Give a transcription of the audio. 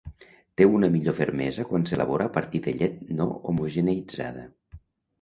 Té una millor fermesa quan s'elabora a partir de llet no homogeneïtzada.